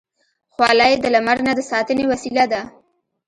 خولۍ د لمر نه د ساتنې وسیله ده.